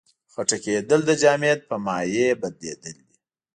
خټکېدل د جامد په مایع بدلیدل دي.